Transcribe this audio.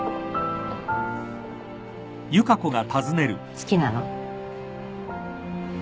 好きなの？